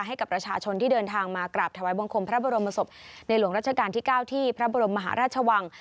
ให้กับประชาชนที่เดินทางมากราบถวายบังคมพระบรมศพในหลวงรัชกาลที่๙ที่พระบรมมหาราชวัง